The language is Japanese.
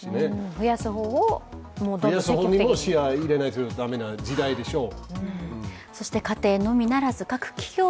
増やす方法も視野に入れないといけない時代でしょう。